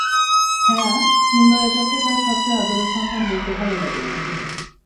হ্যাঁ, কিংবা এটাকে তার সবচেয়ে আদরের সন্তান বলতে ভালো লাগে।